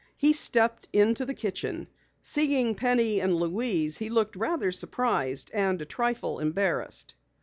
He stepped into the kitchen. Seeing Penny and Louise, he looked rather surprised and a trifle embarrassed.